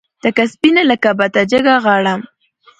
تکه سپینه لکه بته جګه غاړه